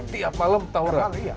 tiap malam tauran